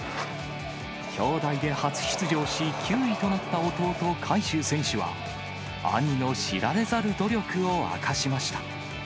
兄弟で初出場し、９位となった弟、海祝選手は、兄の知られざる努力を明かしました。